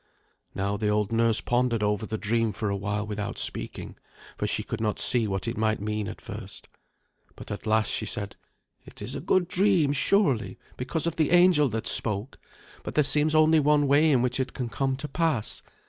Now the old nurse pondered over the dream for a while without speaking, for she could not see what it might mean at first. But at last she said, "It is a good dream surely, because of the angel that spoke; but there seems only one way in which it can come to pass.